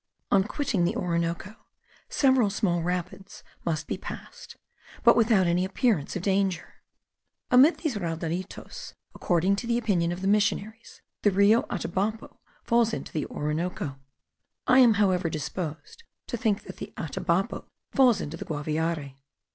On quitting the Orinoco, several small rapids must be passed, but without any appearance of danger. Amid these raudalitos, according to the opinion of the missionaries, the Rio Atabapo falls into the Orinoco. I am however disposed to think that the Atabapo falls into the Guaviare.